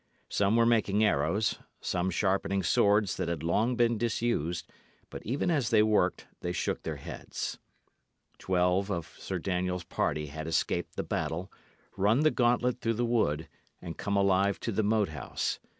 Some were making arrows, some sharpening swords that had long been disused; but even as they worked, they shook their heads. Twelve of Sir Daniel's party had escaped the battle, run the gauntlet through the wood, and come alive to the Moat House.